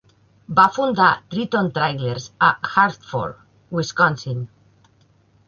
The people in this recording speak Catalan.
Va fundar Triton Trailers a Hartford, Wisconsin.